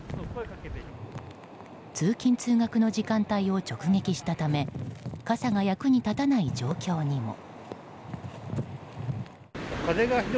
通勤・通学の時間帯を直撃したため傘が役にたたない状況にも。